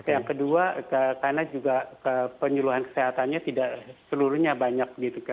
yang kedua karena juga penyuluhan kesehatannya tidak seluruhnya banyak